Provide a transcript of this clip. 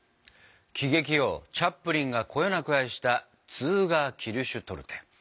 喜劇王チャップリンがこよなく愛したツーガー・キルシュトルテ。